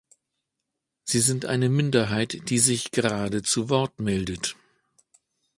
Sie sind eine Minderheit, die sich gerade zu Wort meldet.